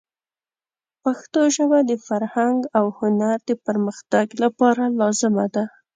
پښتو ژبه د فرهنګ او هنر د پرمختګ لپاره لازمه ده.